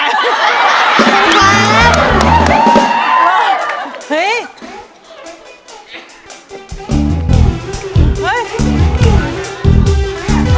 โอ้โห